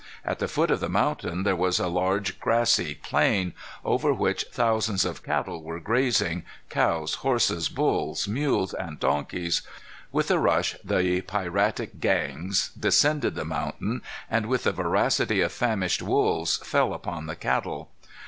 At the foot of the mountain there was a large grassy plain, over which thousands of cattle were grazing, cows, horses, bulls, mules, and donkeys. With a rush, the piratic gangs descended the mountain, and, with the voracity of famished wolves, fell upon the cattle.